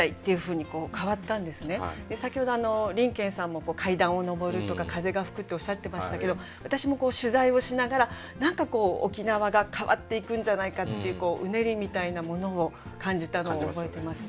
先ほど林賢さんも階段を上るとか風が吹くっておっしゃってましたけど私も取材をしながら何かこう沖縄が変わっていくんじゃないかっていううねりみたいなものを感じたのを覚えています。